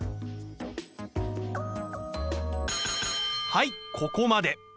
はいここまで。